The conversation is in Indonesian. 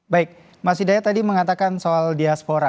baik mas hidayat tadi mengatakan soal diaspora